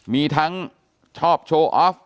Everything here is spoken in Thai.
มีทั้งชอบโชว์ออฟ